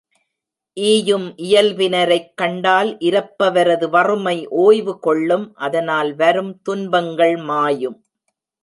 ஈயும் இயல்பினரைக் கண்டால் இரப்பவரது வறுமை ஓய்வு கொள்ளும் அதனால் வரும் துன்பங்கள் மாயும்.